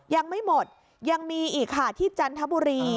ยังไม่หมดยังมีอีกค่ะที่จันทบุรี